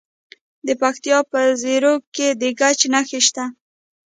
د پکتیکا په زیروک کې د ګچ نښې شته.